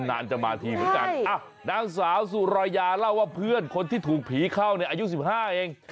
นานจะมาทีเหมือนกันนางสาวสุรายาเล่าว่าเพื่อนคนที่ถูกผีเข้าเนี่ยอายุ๑๕เอง